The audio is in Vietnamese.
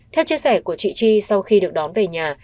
theo chia sẻ của chị chi sau khi được đón về nhà